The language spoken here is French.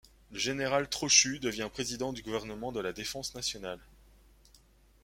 Le général Trochu devient président du gouvernement de la Défense nationale.